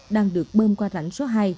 đang được bơm qua rãnh số hai